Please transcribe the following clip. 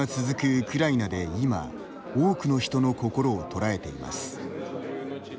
ウクライナで今多くの人の心を捉えています。